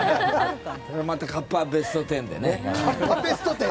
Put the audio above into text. またカッパベスト１０で。